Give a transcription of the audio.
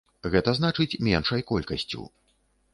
Гэта значыць, меншай колькасцю.